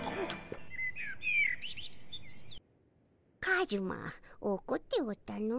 カズマおこっておったの。